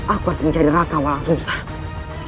aku harus mencari raka walang susah